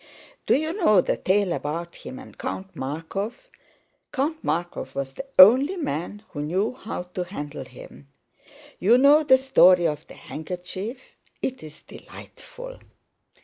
Do you know the tale about him and Count Markóv? Count Markóv was the only man who knew how to handle him. You know the story of the handkerchief? It is delightful!"